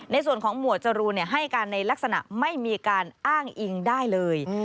หมวดจรูนให้การในลักษณะไม่มีการอ้างอิงได้เลย